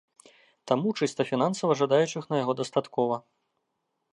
Таму чыста фінансава жадаючых на яго дастаткова.